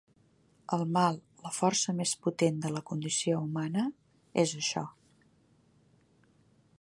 El mal, la força més potent de la condició humana, és això.